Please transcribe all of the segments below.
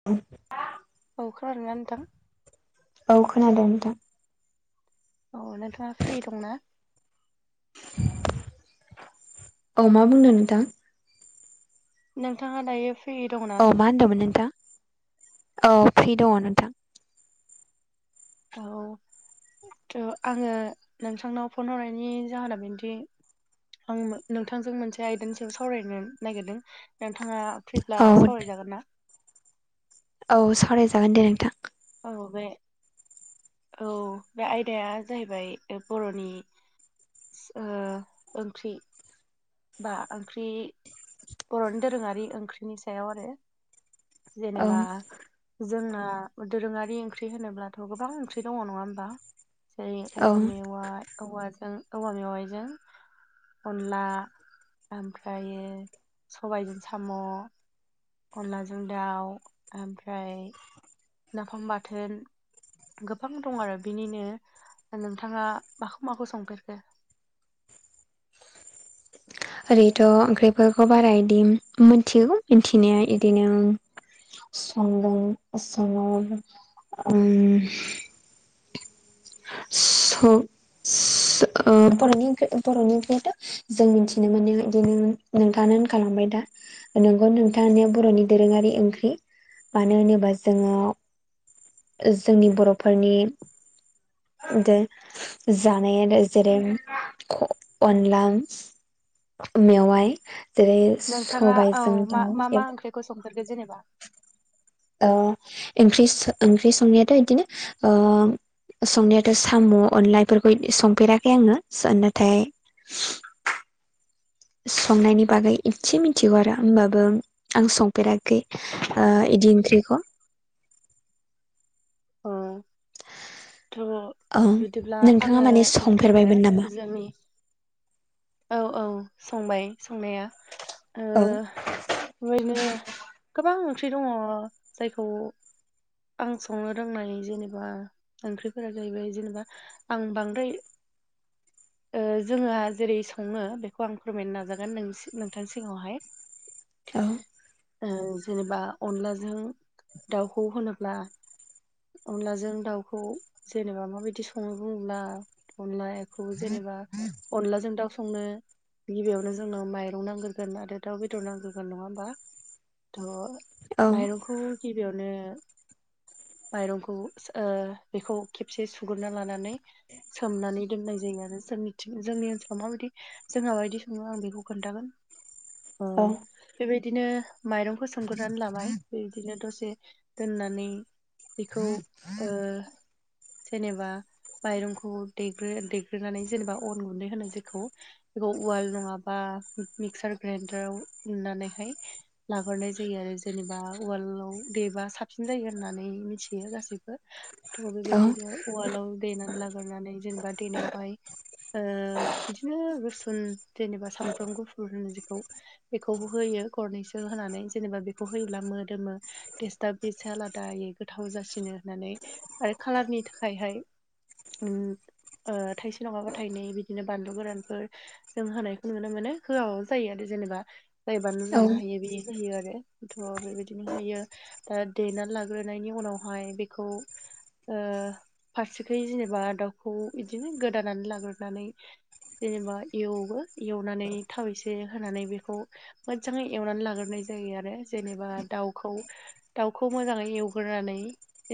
[inaudible] औखारारङा नोंथां औ खोनादों नोंथां औ नोंथाङा फ्रि दंनाा औ मा बुंदों नोंथां नोंथाङा दायो फ्रि दंना औ मा होनदोंमोन नोंथां औ फ्रि दङ नोंथां औ थ' आङो नोंथांनाव फन हरनायनि जाहोना बिदि आं नोंथांजों मोनसे आयदानि सायाव सावरायनो नागिरदों नोंथाङा फैब्ला औ सावरायजागोन ना औ सावरायजागोन दे नोंथां औ बे औ बे आयदाया जाहैबाय बर'नि ओंख्रि बा ओंख्रि बर'नि दोरोङारि ओंख्रिनि सायाव आरो औ जेनेबा जोंना दोरोङारि ओंख्रि होनोब्लाथ' गोबां ओंख्रि दङ नङा होमबा जेरै औ औवा मेवाइ औवाजों औवा मेवाइजों अनला ओमफ्र सबायाइजों साम' अनलाजों दाउ ओमफ्राय नाफाम बाथोन गोबां दं आरो बिनिनो नोंथाङा माखौ माखौ संफेरखो ओरैथ' ओंख्रिफोरखौ बारा इदि मोनथिगौ मिथिनाया इदिनो सं स स बरानि बरनि [unintelligible] जों मिथिनो मोनो बिदिनो नोंथाङानो होनखबाय दा नंगौ नोंथांा बर'नि दोरोङारि ओंख्रि मानो होनोबा जोङो जोंनि बर'फोरनि दे जानाय आरो जेरै अनला मेवाय जेरै सबायजों दाउ सम्र्क जेनेबा ओं ओंख्रि संनायाथ' बिदिनो संनायाथ' साम' अनलाफोरखौ संफेराखै आङो नाथाय संनायनि बागै एसे मिथिगौ आरो हबाबो आं संफेराखै इदि ओंख्रिखौ अ थ' औ बिदिब्ला नोंथाङा आङो माने नोंथांनो संफेरबायमोन नामा जोंनि औ औ संबाय संनाया औ बेओायनो गोबां ओंख्रि दङ जायखौ आं संनो रोंनाय जेनेबा ओंख्रिफोरा जाहैबाय जेनेबा आं बांद्राय जोङो जेरै सङो बेखौ आं फोरमायनो नाजागोन नों नोंथांनि सिगाङावहाय औ जेनेबा अनलाजों दाउखौ होनोब्ला अनलाजों दाउखौ जेनेबा माबायदि सङो बुङब्ला अनला ए बे खौ जेनेबा अनलाजों दाउ संनो गिबियावनो जोंनो माइरं नांग्रोगोन आरो दाउ बेदर नांग्रोगोन नङा होमबा थ' औ माइरंखौ गिबियावनो माइरंखौ ओ बेखौ खेबसे सुगोरना लानानै सोमनानै दोननाय जायो आरो जोंनिथिं जोंनि ओनसोलाव माबायदि जोंहा माबायदि सङो आं बेखौ खोन्थागोन अ औ बेबायदिनो माइरंखौ सोमग्रोनानै लाबाय बेबायदिनो दसे दोननानै बेखौ ओ जेनेबा माइरंखौ देग्रो दैेग्रोनानै जेनेबा अन गुन्दै होनो जेखौ बेखौ उवाल नङाबा मिक्सार ग्राइनडारव उनानैहाय लाहरनाय जायो आरो जेनेबा वालाव देबा साबसिन जायो होननानै मिथियो गाससिबो थ औ बेबायदिनो उवालाव दैेनानै लाग्रनानै जेनेबा देनायावहाय ओ बिदिनो रुसुन जेनेबा सामब्राम गुफुर होनजखौ बेखौबो होयो गरनैसो होनानै जेनेबा बेखौ होयोब्ला मोदोमो तेस्टा बे सालाद दायो गोथाव जासिनो होननानै आरो खालारनि थाखायहाय उम ओ थाइसे नङाबा थाइनै बिदिनो बानलु गोरानफोर जों होनायखौ नुनो मानो होआबाबो जायो आरो जेनेबा जाय बानलु जानो हायो बियो होयो आरो थ बेबायदिनो होयो दा देना ला ग्रोनायनि उनावहाय बेखौ ओ फारसेखै जेनेबा दाउखौ बिदिनो गोदानानै लाग्रोनानै जेनेबा एवो एवनानै थाव एसे होनानै बेखौ मोजाङै एवनानै लाग्राय जायो आरो जेनेबा दाउखौ दाउखौ मोजाङै एवग्रोनानै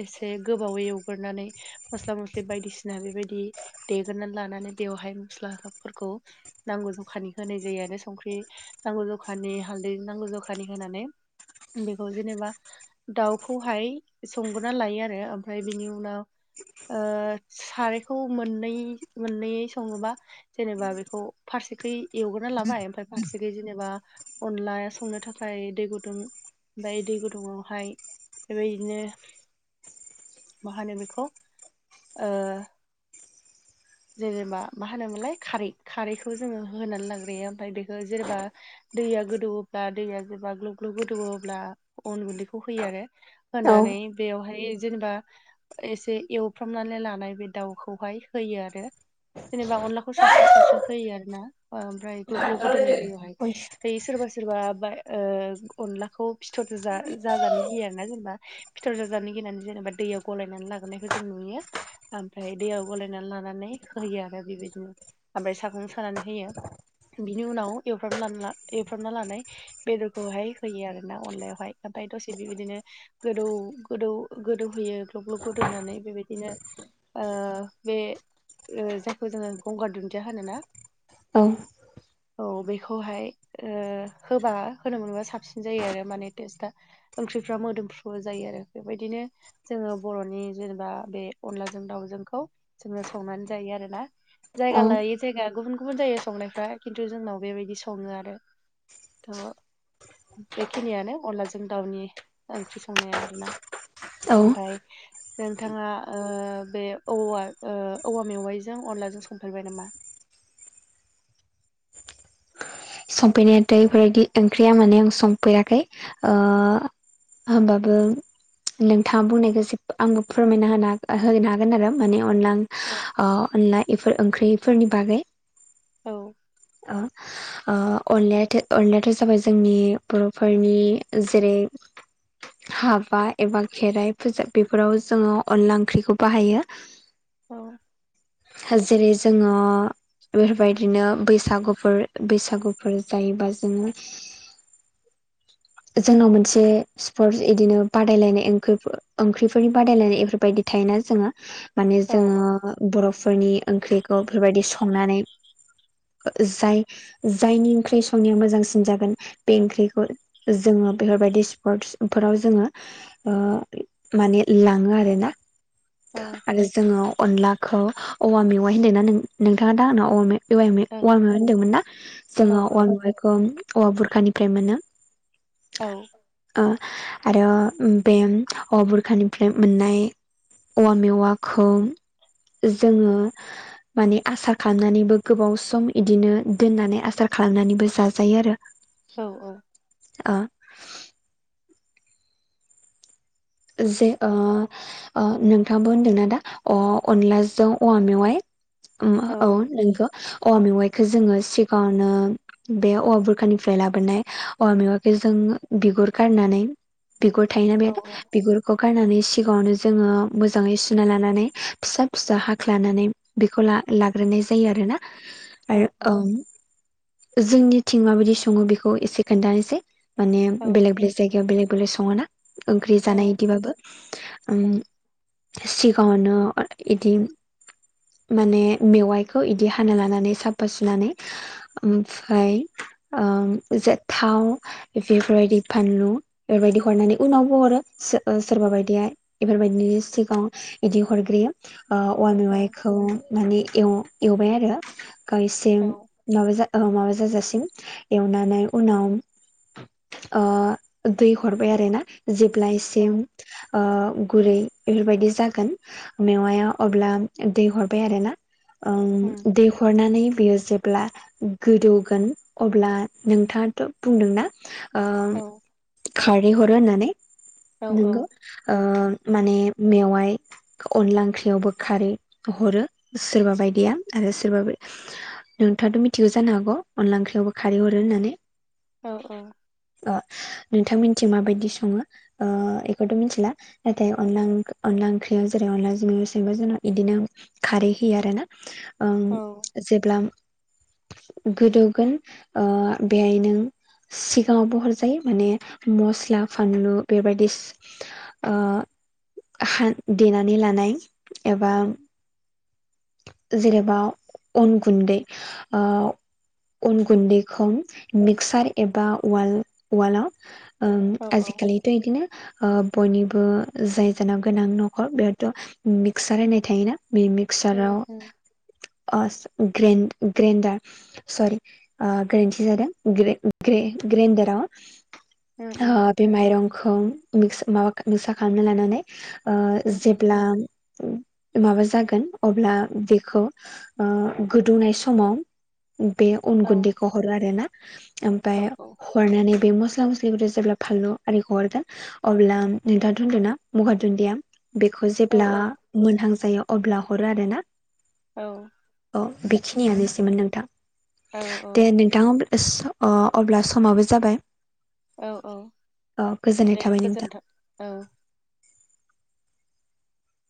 एसे गोबावै एवग्रोनानै मस्ला मस्लि बायदिसिना बेबायदि देगोननानै लानानै बेवहाय मस्लाफोरखौ नांगौ जखानि होनाय जायो आरो संख्रि नांगौ जखानि हालदै नांगौ जखानि होनानै बेखौ जेनेबा दाउ खौहाय संगा लायो आरो ओमफ्राय बेनि उनाव ओ सारायखौ मोननै मोननैै सङोबा जेनेबा बेखौ फारसेखै एवग्रोना लाबाय ओमफ्राय फारसेखै जेनेबा अनला संनो थाखाय दै गुदुं ओमाय दै गुदुङावहाय बेबायदिनो मा होनो बेखौ ओ [inaudible] जेनेबा मा होनोमोनलाय खारै खारैखौ जोङो होनानै लाग्रोयो ओमफ्राय बेखौ जेनेबा दैया गोदौवोब्ला दैया जेब्ला ग्लोब ग्लुब गोदौ अब्ला अन उन्दैखौ होयो आरो होनानै बेवहाय जेनेबा एसे एवफ्रामनानै लानाय बे दाउखौहाय होयो आरो जेनेबा अनलाखौ सारस्रो सारस्रो होयो आरोना ओमफ्राय ग्लब ग्लब गोदोननाय दैयावहाय बे सोरबा सोरबा बा ओ अनलाखौ फिथरजा जा जाजानो गियो होयो आरोना जेनेबा फिथर जाजानो गिनानै जेनेबा दैयाव गलायनानै लागोनायखौ जों नुयो ओमफ्राय दैयाव गलायनानै लानानै होयो आरो बेबायदिनो ओमफ्राय सागं सानै होयो बिनि उनाव एवफ्रामना लान ला एवफ्रामना लानाय बेदरखौहाय होयो आरोना अनलायावहाय ओमफ्राय दसे बेबायदिनो गोदौ गोदौ गोदौहोयो ग्लब ग्लब गोदौनानै बेबायदिनो बे जायखौ जोंङो गंगार दुन्दिया होनोना औ औ बेखौहाय ओ होबा होनो मोनबा साबसिन जायो आरो माने टेस्टआ ओंख्रिफ्रा मोदोमफ्रुबो जायो आरो बेबायदिनो जोंङो बर'नि जेनेबा बे अनलाजों दाउजोंखौ जोंङो संनानै जायो आरोना जायगा औ लायै जायगा गुबुन गुबुन जायो संनायफ्रा खिन्थु जोंनाव बेबायदि संङो आरो थ बेखिनियानो अलाजों दाउनि ओंख्रि संनाया आरोना औ ओमफाय नोंथांङा ओ बे औवा ओ औवा मेवाइजों अनलाजों संफेरबाय नामा संफेरनायाथ बेफोरबायदि ओंख्रिया माने आं संफेराखै ओ होमबाबो नोंथाङा बुंनायखौ आंबो फोरमायना होनो होनो हागोन आरो माने अनला औ ओ अनला इफोर ओंख्रिफोरनि बागै औ अ ओ अनलायाथ' अनलायाथ' जाबाय जोंनि बर'फोरनि जेरै हाबा एबा खेराइ फोजा बेफोराव जोंङो अनला ओंख्रिखौ बाहायो [inaudible] औ जेरै जोंङो बेफोरबायदिनो बै सागुफोर बैसागुफोर जायोबा जोंङो जोंनाव मोनसे स्पर्टस इदिनो बादायलायनाय ओंख्रिफोरनि बादायलायनाय बेफोरबायदि थायोना जोंङो माने औ जोंङो बर'फोरनि ओंख्रिखौ बेफोरबायदि संनानै जाय जायनि ओंख्रि संनाया मोजांसिन जागोन बे ओंख्रिखौ जोंङो बेफोरबायदि स्पर्टस फोराव जोंङो ओ माने लांङो आरोना अ जोंङो अनलाखौ औवा मेवाइ होनदों नों नोंथांङा दा आंनावाय औवा मेवाइ होनदोंमोन ना औ जोंङो औवा मेवाइखौ औवा बुरखानिफ्राय मोनो औ ओ आरो बे औवा बुरखानिफ्राय मोननाय औवा मेवाखौ जोंङो माने आसार खालामनानैबो गोबाव सम इदिनो दोननानै आसार खालामनानैबो जाजायो आरो औ औ ओ जे ओ ओ नोंथाङाबो होनदोंनाा दा अ अनलाजों औवा मेवाइ उम औ नंखौ औवा मेवाइखौ जोंङो सिगांङनो बे औवा बुरखानिफ्राय लाबोनाय औवा मेवखौ जों बिगुर गारनानै बिगुर थायोना उम बेहाबो बिगुरखौ गारनानै सिगाङावनो जोंङो मोजांङै सुना लानानै फिसा फिसा हाख्लानानै बेखौ ला लाग्रोनाय जायो आरोना औ औ आरो ओ जोंनिथिं माबायदि संङो बेखौ एसे खोन्थानोसै माने औ बेलेग बेलेग जायगायाव बेलेग बेलेग संङो ना ओंख्रि जानाय इदिबाबो उम सिगाङावनो इदि माने मेवाइखौ इदि हाना लानानै साफा सुनानै ओमफ्राय ओ इजा थाव बेफोरबायदि फानलु बेफोरबायदि हरनानै उनावबो हरो सोरबा बायदिया इफोरबायदिनि सिगाङाव इदि हरग्रोयो ओ औवान मेवाइखौ माने एव एवबाय आरो औ गायसिम माबा माबा जाजासिम एवनानै उनाव दै हरबाय आरोना जेब्लायसिम अ गुरै बेफोरबायदि जागोन मेवाया अब्ला दै हरबाय आरो ना उम ओं दैहरनानै बियो जेब्ला गोदौगोन अब्ला नोंथाङाथ' बुंदोंना ओ उम उम खारै हरो होननानै उम नंगौ ओ माने मेवाइ अनला ओंख्रियावबो खारै हरो सोरबा बायदिया आरो सोरबा नोंथाङाथ' मिथिगौ जानो हागौ अनला ओंख्रियावबो खारै हरो होननानै औ औ ओ नोंथां मोनथि माबायदि सङो बेखौथ' मिथिला नाथाय अनला ओं अनला ओंख्रियाव जेरै अनला जों [unintelligible] जोंना बिदिनो खारै होयो आरो ना ओ जेब्ला गोदौगोन ओ बेहाय नों सिगाङावबो हरजायो माने मस्ला फानलु बेबायदि ओ हान देनानै लानाय एबा जेनेबा अन गुन्दै ओ अन गुन्दैखौ मिक्सार एबा उवाल उवालाव उम औ आजिखालिथ' बिदिनो बयनिबो जाय जानाव गोनां न'खर बेयावथ' मिक्सार होननाय थायोना बे मिक्साराव अ ग्रेन ग्रेन्डार सरि ओ गोरोन्थि जादों ग्रे ग्रे ग्रेनदाराव ओ बे माइरंखौ मि माबा मिक्सा खालामना लानानै ओ जेब्ला माबा जागोन अब्ला बेखौ ओ गोदौनाय समाव बे अन गुन्दैखौ हरो आरो ना ओमफाय हरनानै बे मस्ला मस्लिखौ' जेब्ला फानलु आरि हरगोन अब्ला नोंथाङाथ होनदों ना गंगार दुन्दिया बेखौ जेब्ला मोनहां जायो अब्ला हरो आरो ना औ अ बेखिनियानोसैमोन नोंथां दे नों थां अ सअब्ला समाबो जाबाय औ औ औ गोजोननाय दे थाबाय नोंथां गोजोनथों औ